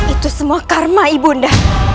itu semua karma ibunda